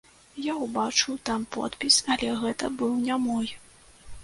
Я ўбачыў там подпіс, але гэта быў не мой.